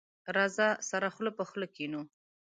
راځه، سره خله په خله کېنو.